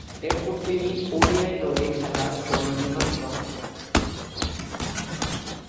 এরপর তিনি ওডিআই দলে খেলার জন্য নির্বাচিত হন।